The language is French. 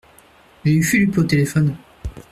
J’ai eu Fulup au téléphone.